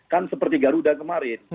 kan seperti garuda kemarin